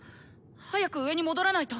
早く上に戻らないと！